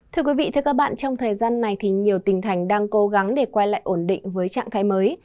thưa quý vị trong thời gian này nhiều tỉnh thành đang cố gắng để quay lại ổn định với trạng thái mới